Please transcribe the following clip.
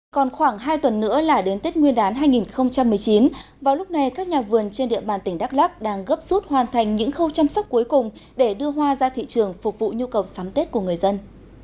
còn khoảng hai tuần nữa là đến tết nguyên đán hai nghìn một mươi chín vào lúc này các nhà vườn trên địa bàn tỉnh đắk lắc đang gấp rút hoàn thành những khâu chăm sóc cuối cùng để đưa hoa ra thị trường phục vụ nhu cầu sắm tết của người dân